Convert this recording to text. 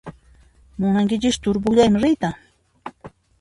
Munankichischu turupukllayman riyta?